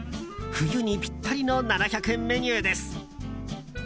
冬にぴったりの７００円メニューです。